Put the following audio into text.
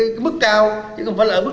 ở cái mức cao chứ không phải là ở mức sáu năm